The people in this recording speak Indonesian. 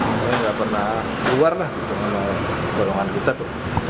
mereka nggak pernah keluar lah karena golongan kita tuh